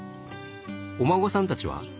お孫さんたちは？